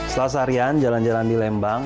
setelah seharian jalan jalan di lembang